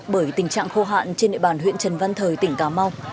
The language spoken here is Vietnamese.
bởi tình trạng khô hạn trên địa bàn huyện trần văn thời tỉnh cà mau